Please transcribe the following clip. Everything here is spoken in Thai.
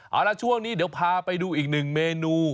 เอาละช่วงนี้เดี๋ยวพาไปดูอีกหนึ่งเมนู